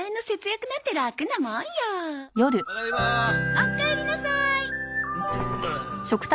おかえりなさい。